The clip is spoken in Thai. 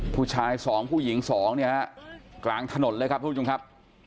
ผู้ชายสองผู้หญิงสองเนี่ยฮะกลางถนนเลยครับทุกผู้ชมครับ